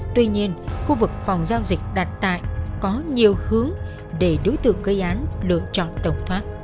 tuy nhiên khu vực phòng giao dịch đặt tại có nhiều hướng để đối tượng gây án lựa chọn tẩu thoát